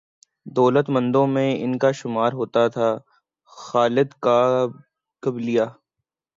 دولت مندوں میں ان کا شمار ہوتا تھا۔ خالد کا قبیلہ